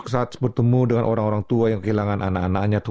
saat bertemu dengan orang orang tua yang kehilangan anak anaknya